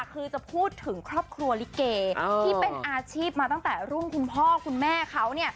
คือจะพูดถึงครอบครัวลิเกที่เป็นอาชีพมาตั้งแต่รุ่นคุณพ่อคุณแม่เขา